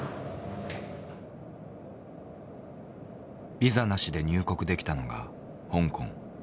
ビザなしで入国できたのが香港。